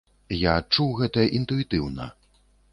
Я адчуў гэта інтуітыўна.